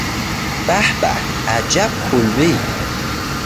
به به عجب کلبهای!